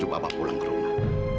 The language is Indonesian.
coba pak pulang ke rumah